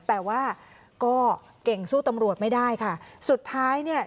แต่ว่าก็เก่งสู้ตำรวจไม่ได้ค่ะสุดท้ายเนี่ย